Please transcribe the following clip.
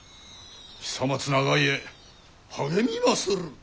久松長家励みまする！